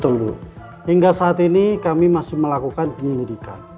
tunggu hingga saat ini kami masih melakukan penyelidikan